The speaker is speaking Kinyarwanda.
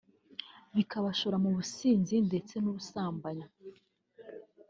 bikabashora mu businzi ndetse n’ubusambanyi